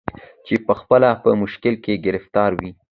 چي پخپله په مشکل کي ګرفتار وي